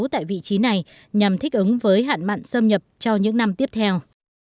tại vị trí này nhằm thích ứng với hạn mặn xâm nhập cho những năm tiếp theo